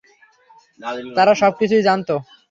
তারা সবকিছুই জানতো!